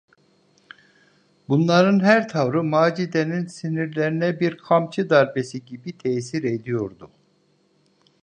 Bunların her tavrı Macide’nin sinirlerine bir kamçı darbesi gibi tesir ediyordu.